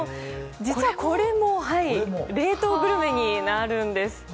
実はこれも冷凍グルメになるんです。